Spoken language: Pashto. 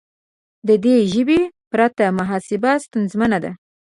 د دې ژبې پرته محاسبه ستونزمنه ده.